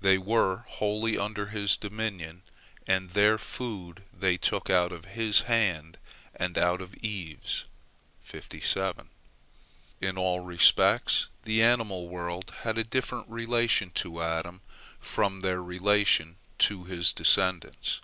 They were wholly under his dominion, and their food they took out of his hand and out of Eve's. In all respects, the animal world had a different relation to Adam from their relation to his descendants.